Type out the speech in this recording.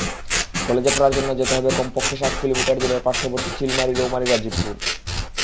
কলেজে পড়ার জন্য যেতে হবে কমপক্ষে সাত কিলোমিটার দূরের পার্শ্ববর্তী চিলমারী-রৌমারী-রাজীবপুর।